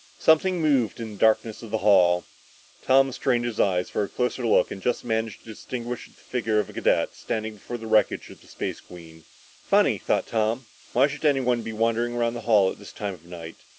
Something moved in the darkness of the hall. Tom strained his eyes for a closer look and just managed to distinguish the figure of a cadet standing before the wreckage of the Space Queen. Funny, thought Tom. Why should anyone be wandering around the hall at this time of night?